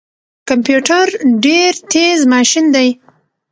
کمپيوټر ډیر تیز ماشین دی